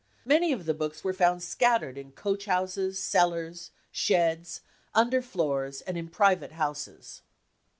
Many of the books were found scattered in coach houses, cellars, sheds, under floors and in private houses.